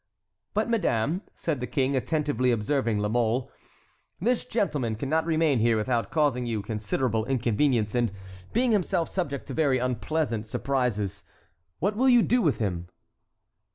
"But, madame," said the king, attentively observing La Mole, "this gentleman cannot remain here without causing you considerable inconvenience, and being himself subject to very unpleasant surprises. What will you do with him?"